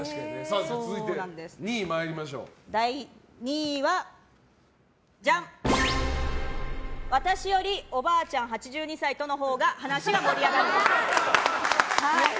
第２位は私よりおばあちゃん８２歳とのほうが話が盛り上がる。